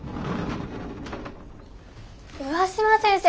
上嶋先生